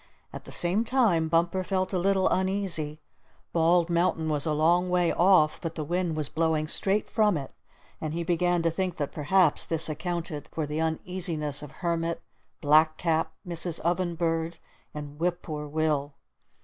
At the same time Bumper felt a little uneasy. Bald Mountain was a long way off, but the wind was blowing straight from it, and he began to think that perhaps this accounted for the uneasiness of Hermit, Black Cap, Mrs. Oven Bird and Whip Poor Will.